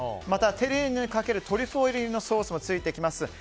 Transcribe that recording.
またテリーヌにかけるトリュフオイル入りのソースもついてきます。